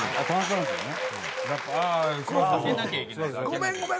ごめんごめん。